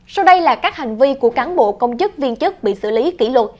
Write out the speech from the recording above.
sau đây là các hành vi của cán bộ công chức viên chức bị xử lý kỷ luật